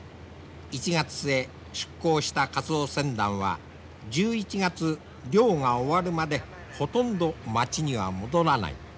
１月末出港したカツオ船団は１１月漁が終わるまでほとんど町には戻らない。